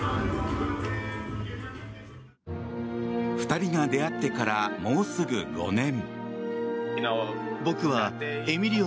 ２人が出会ってからもうすぐ５年。